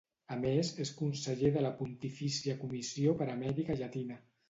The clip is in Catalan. A més, és Conseller de la Pontifícia Comissió per Amèrica Llatina.